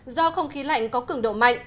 do không khí lạnh có cứng độ mạnh